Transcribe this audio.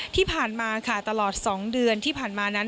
ที่ผ่านมาค่ะตลอด๒เดือนที่ผ่านมานั้น